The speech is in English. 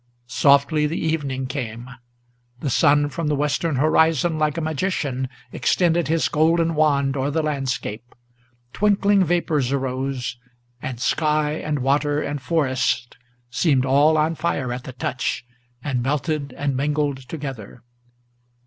Softly the evening came. The sun from the western horizon Like a magician extended his golden wand o'er the landscape; Twinkling vapors arose; and sky and water and forest Seemed all on fire at the touch, and melted and mingled together.